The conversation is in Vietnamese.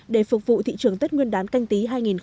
để phục vụ thị trường tết nguyên đán canh tí hai nghìn hai mươi